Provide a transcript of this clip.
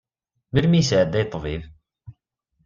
Melmi yesɛedday ṭṭbib?